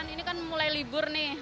ini kan mulai libur nih